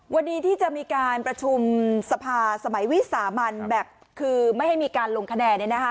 วันนี้ที่จะมีการประชุมสภาสมัยวิสามันแบบคือไม่ให้มีการลงคะแนน